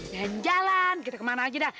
jangan jalan kita kemana aja dah